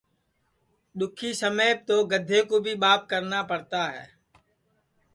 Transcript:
دُؔکھی سمیپ تو گدھے کُو بھی ٻاپ کرنا پڑتا ہے